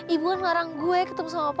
ibu kan ngarang gue ketemu sama papa